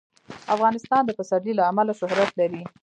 افغانستان د پسرلی له امله شهرت لري.